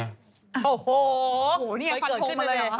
โอ้โฮนี่ฟันทมมากเลย